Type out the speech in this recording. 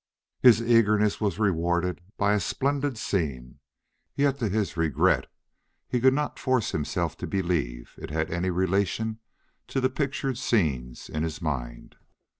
His eagerness was rewarded by a splendid scene, yet to his regret he could not force himself to believe it had any relation to the pictured scenes in his mind.